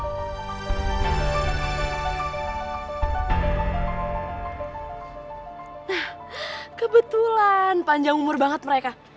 nah kebetulan panjang umur banget mereka